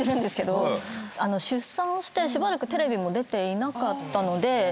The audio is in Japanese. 出産をしてしばらくテレビも出ていなかったので。